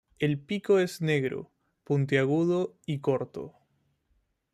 El pico es negro, puntiagudo y corto.